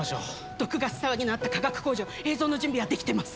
毒ガス騒ぎのあった化学工場映像の準備はできてます。